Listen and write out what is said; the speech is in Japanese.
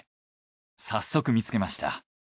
早速見つけました。